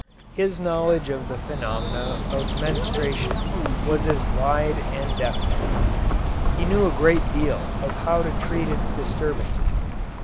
His knowledge of the phenomena of menstruation was as wide and definite. He knew a great deal of how to treat its disturbances.